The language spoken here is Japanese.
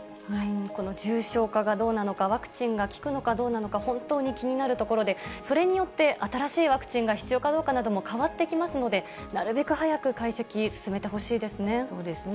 この重症化がどうなのか、ワクチンが効くのかどうなのか、本当に気になるところで、それによって新しいワクチンが必要かどうかなども変わってきますので、なるべく早く解析を進めてほしいですね。